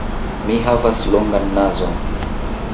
Mi havas longan nazon.